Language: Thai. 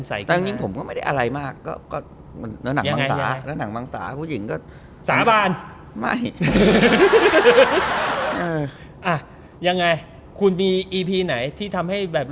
อ่าผมไม่ได้อะไรผมเนี้ยแบบ